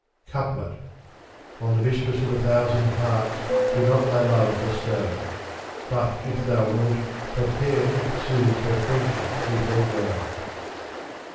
CoupieL On the mistress of a thousand hearts, do not thy love bestow ; But if thou wilt^ prepare eftsoons her friendship to forego.